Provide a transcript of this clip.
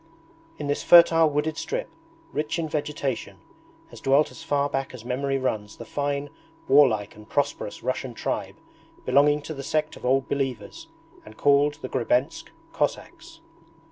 In this fertile wooded strip, rich in vegetation, has dwelt as far back as memory runs the fine warlike and prosperous Russian tribe belonging to the sect of Old Believers, and called the Grebensk Cossacks.